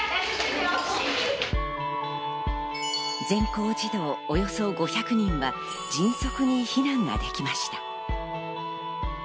全校児童およそ５００人は迅速に避難ができました。